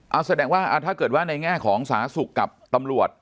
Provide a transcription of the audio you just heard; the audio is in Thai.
เอาแสดงว่าถ้าเกิดว่าในแง่ของสาธารณสุขกับตำรวจ